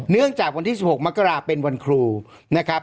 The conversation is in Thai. เนื่องจากวันที่๑๖มกราเป็นวันครูนะครับ